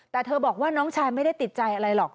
แต่เธอบอกว่าน้องชายไม่ได้ติดใจอะไรหรอก